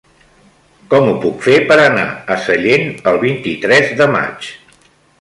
Com ho puc fer per anar a Sallent el vint-i-tres de maig?